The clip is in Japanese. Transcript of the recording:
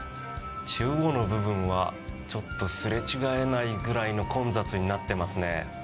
中央の部分はちょっとすれ違えないぐらいの混雑になっていますね。